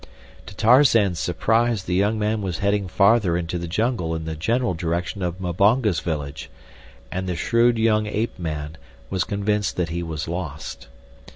To Tarzan's surprise the young man was heading further into the jungle in the general direction of Mbonga's village, and the shrewd young ape man was convinced that he was lost.